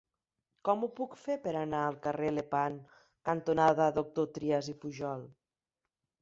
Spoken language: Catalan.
Com ho puc fer per anar al carrer Lepant cantonada Doctors Trias i Pujol?